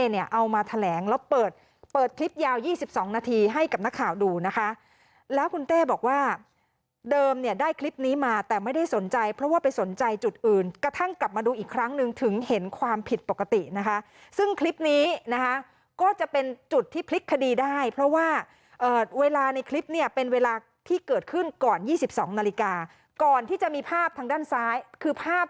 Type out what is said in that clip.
เนี่ยเอามาแถลงแล้วเปิดเปิดคลิปยาว๒๒นาทีให้กับนักข่าวดูนะคะแล้วคุณเต้บอกว่าเดิมเนี่ยได้คลิปนี้มาแต่ไม่ได้สนใจเพราะว่าไปสนใจจุดอื่นกระทั่งกลับมาดูอีกครั้งหนึ่งถึงเห็นความผิดปกตินะคะซึ่งคลิปนี้นะคะก็จะเป็นจุดที่พลิกคดีได้เพราะว่าเวลาในคลิปเนี่ยเป็นเวลาที่เกิดขึ้นก่อน๒๒นาฬิกาก่อนที่จะมีภาพทางด้านซ้ายคือภาพ